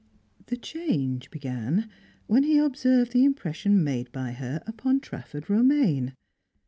The change began when he observed the impression made by her upon Trafford Romaine.